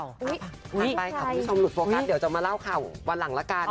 ถัดไปค่ะคุณผู้ชมหลุดโฟกัสเดี๋ยวจะมาเล่าข่าววันหลังละกัน